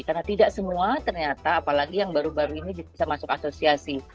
karena tidak semua ternyata apalagi yang baru baru ini bisa masuk asosiasi